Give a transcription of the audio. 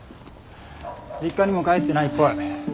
実家にも帰ってないっぽい。